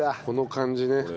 この感じね。